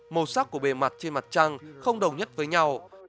màu sắc của bề mặt trên mặt trăng không đồng nhất với nhau